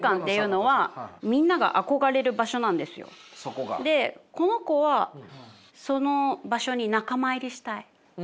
これが私この子はその場所に仲間入りしたい。